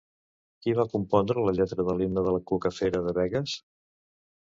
Qui va compondre la lletra de l'Himne de la cuca fera de Begues?